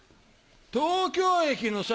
東京駅のさ